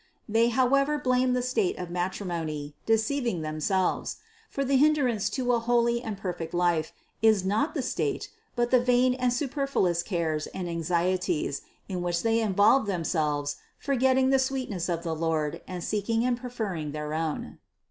They however blame the state of matrimony, deceiving them selves; for the hindrance to a holy and perfect life, is not the state, but the vain and superfluous cares and 39 586 CITY OF GOD anxieties, in which they involve themselves forgetting the sweetness of the Lord and seeking and preferring their own.